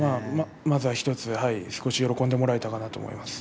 まずは１つ少し喜んでもらえたかなと思います。